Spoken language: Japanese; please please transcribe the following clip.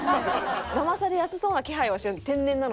だまされやすそうな気配はしてる天然なので。